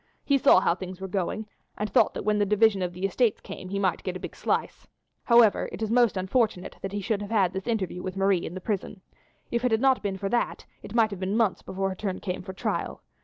He saw how things were going, and thought that when the division of the estates came he might get a big slice. However, it's most unfortunate that he should have had this interview with Marie in the prison. If it had not been for that it might have been months before her turn came for trial.